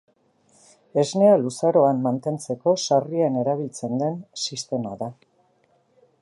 Esnea luzaroan mantentzeko sarrien erabiltzen den sistema da.